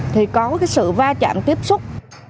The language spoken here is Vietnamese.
thì có sự va chạm tiếp xúc